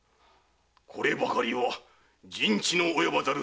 こればかりは人知の及ばざるところ。